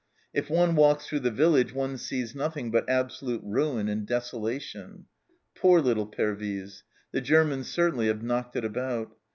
" If one walks through the village one sees nothing but absolute ruin and desolation. Poor little Pervyse ! The Germans certainly have knocked it about.